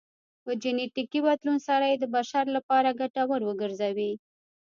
په جنیټیکي بدلون سره یې د بشر لپاره ګټور وګرځوي